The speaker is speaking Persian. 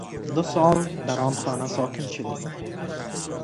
دو سال در آن خانه ساکن شدیم.